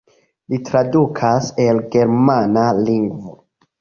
Li tradukas el germana lingvo.